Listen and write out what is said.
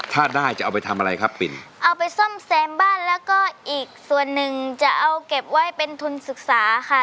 ถ้าได้จะเอาไปทำอะไรครับปิ่นเอาไปซ่อมแซมบ้านแล้วก็อีกส่วนหนึ่งจะเอาเก็บไว้เป็นทุนศึกษาค่ะ